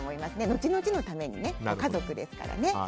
後々のために、家族ですからね。